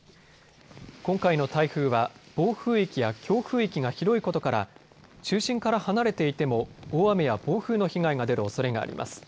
今回の台風は暴風域や強風域が広いことから中心から離れていても大雨や暴風の被害が出るおそれがあります。